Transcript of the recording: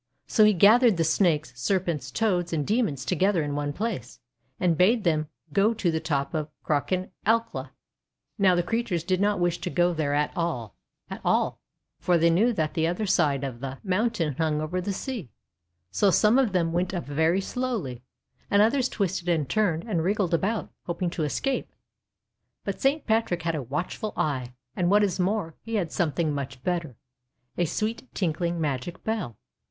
So he gathered the Snakes, Ser pents, Toads, and Demons together in one place, and bade them go to the top of Crochan Acla. Now the creatures did not wish to go there at all, at all, for they knew that the other side of the 192 THE WONDER GARDEN mountain hung over the sea. So some of them went up very slowly, and others twisted and turned and wriggled about, hoping to escape. But Saint Patrick had a watchful eye, and what is more, he had something much better — a sweet tinkling magic bell.